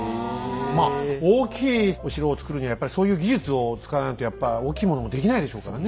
まあ大きいお城を造るにはやっぱりそういう技術を使わないとやっぱ大きいものもできないでしょうからね。